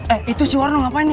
eh itu si warno ngapain ya